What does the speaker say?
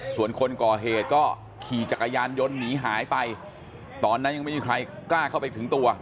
ส่วนคนก่อเหตุก็ขี่จักรยานยนต์หนีหายไปตอนนั้นยังไม่มีใครกล้าเข้าไปถึงตัว